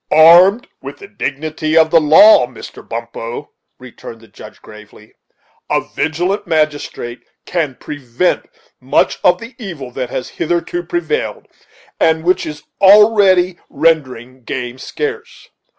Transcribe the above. "Armed with the dignity of the law, Mr. Bumppo," returned the Judge, gravely, "a vigilant magistrate can prevent much of the evil that has hitherto prevailed, and which is already rendering the game scarce.